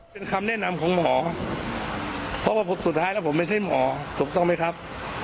เป็นคำแนะนำของหมอเพราะว่าสุดท้ายแล้วผมไม่ใช่หมอถูกต้องไหมครับ